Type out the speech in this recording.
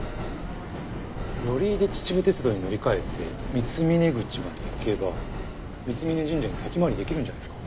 寄居で秩父鉄道に乗り換えて三峰口まで行けば三峯神社に先回りできるんじゃないですか？